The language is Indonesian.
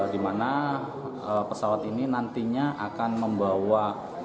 di mana pesawat ini nantinya akan membawa